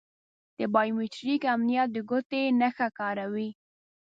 د بایو میتریک امنیت د ګوتې نښه کاروي.